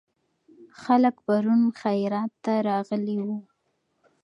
خلک پرون خیرات ته راغلي وو.